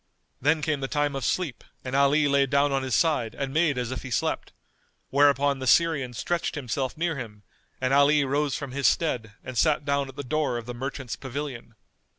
Then came the time of sleep and Ali lay down on his side and made as if he slept; whereupon the Syrian stretched himself near him and Ali rose from his stead and sat down at the door of the merchant's pavilion.